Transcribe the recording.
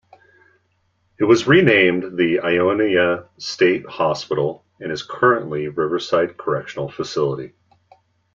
It was renamed the Ionia State Hospital and is currently Riverside Correctional Facility.